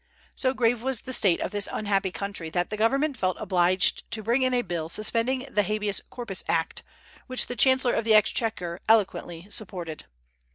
So grave was the state of this unhappy country that the government felt obliged to bring in a bill suspending the habeas corpus act, which the chancellor of the exchequer eloquently supported.